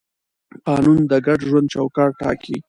قانون د ګډ ژوند چوکاټ ټاکي.